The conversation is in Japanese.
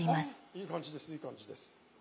いい感じですいい感じです。